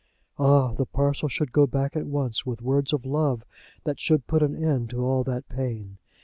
Ah! the parcel should go back at once with words of love that should put an end to all that pain!